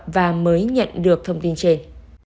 và mới nhận được thông tin trên